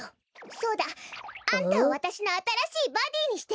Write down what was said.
そうだあんたをわたしのあたらしいバディにしてあげる。